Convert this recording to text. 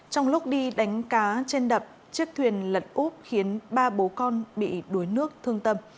trong lúc đi đánh cá trên đập chiếc thuyền lật úp khiến ba bố con bị đuối nước thương tâm